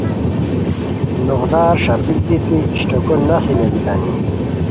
نوغدارݰاپیک دیتی اشٹوکو نسی نیزیتانی